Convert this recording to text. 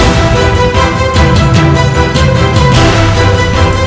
selepa ini painter melihat tempat yang tertumpu